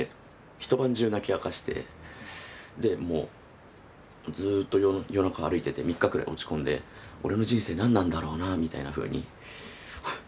一晩中泣き明かしてでもうずっと夜中歩いてて３日くらい落ち込んで俺の人生何なんだろうなみたいなふうに。